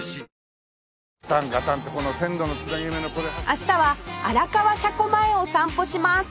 明日は荒川車庫前を散歩します